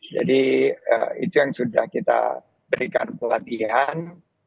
jadi itu yang sudah kita berikan pelatihan